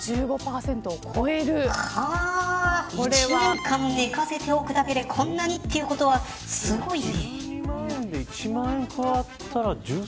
１年間、寝かせておくだけでこんなにということはすごいね。